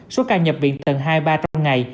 số ca nhập viện cần hai ba trăm linh ngày